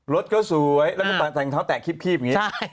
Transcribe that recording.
รถก็สวยแล้วก็แต่งเท้าแตะคีบอย่างนี้